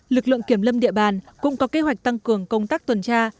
lực lượng kiểm lâm địa bàn cũng có kế hoạch tăng cường công tác tuần tra